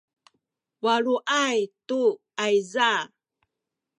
waluay tu ayza